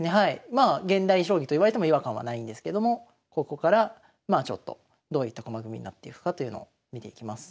まあ現代将棋といわれても違和感はないんですけどもここからまあちょっとどういった駒組みになっていくかというのを見ていきます。